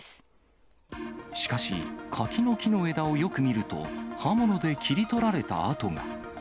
しかし、柿の木の枝をよく見ると、刃物で切り取られた跡が。